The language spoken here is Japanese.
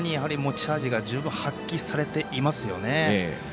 持ち味が十分に発揮されていますよね。